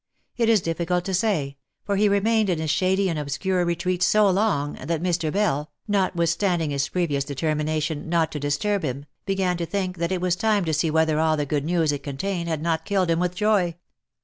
It is difficult to say, for he remained in his shady and obscure retreat so long, that Mr. Bell, notwithstanding his previous determina tion not to disturb him, began to think that it was time to see whether all the good news it contained had not killed him with joy.